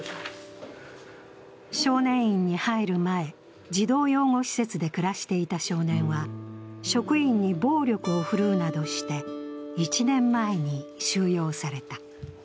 少年院に入る前、児童養護施設で暮らしていた少年は職員に暴力を振るうなどして１年前に収容された。